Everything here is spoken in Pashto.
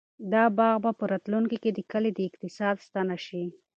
دا باغ به په راتلونکي کې د کلي د اقتصاد ستنه شي.